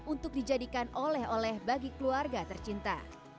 untuk dijadikan oleh oleh bagi keluarga tercinta